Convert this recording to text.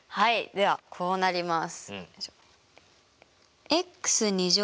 ではこうなります。